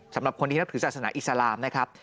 สำหรับคนที่นับถือศาสนาอิสลามนะครับ